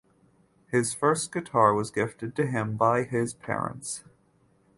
His first guitar was gifted to him by his parents.